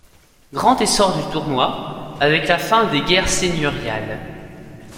Grand essor du tournoi, avec la fin des guerres seigneuriales.